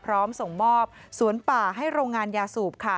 ส่งมอบสวนป่าให้โรงงานยาสูบ